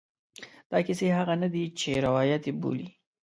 دا کیسې هغه نه دي چې روایت یې بولي.